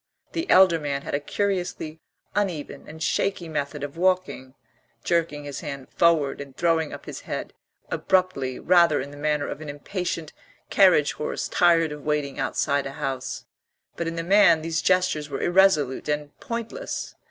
The elder man had a curiously uneven and shaky method of walking, jerking his hand forward and throwing up his head abruptly, rather in the manner of an impatient carriage horse tired of waiting outside a house; but in the man these gestures were irresolute and pointless.